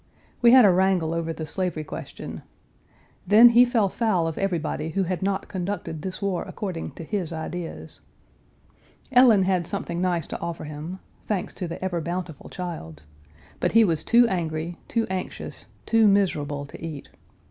We had a wrangle over the slavery question. Then, he fell foul of everybody who had not conducted this war according to his ideas. Ellen had something nice to offer him (thanks to the ever bountiful Childs!), but he was too angry, too anxious, too miserable to eat.